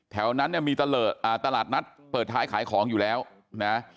แถวนั้นเนี่ยมีตลาดนัดเปิดท้ายขายของอยู่แล้วนะ